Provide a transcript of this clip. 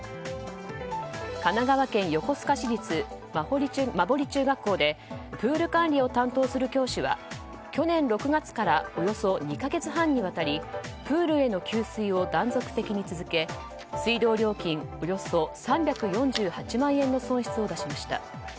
神奈川県横須賀市立馬堀中学校でプール管理を担当する教師は去年６月からおよそ２か月半にわたりプールへの給水を断続的に続け水道料金およそ３４８万円の損失を出しました。